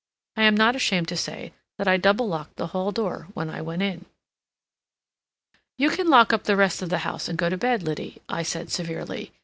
I am not ashamed to say that I double locked the hall door when I went in. "You can lock up the rest of the house and go to bed, Liddy," I said severely.